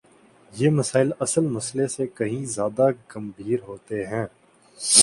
یہ مسائل اصل مسئلے سے کہیں زیادہ گمبھیر ہوتے ہیں۔